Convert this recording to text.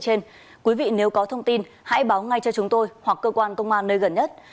các đối tượng trên quý vị nếu có thông tin hãy báo ngay cho chúng tôi hoặc cơ quan công an nơi gần nhất